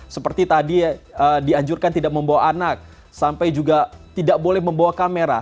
seperti tadi dianjurkan tidak membawa anak sampai juga tidak boleh membawa kamera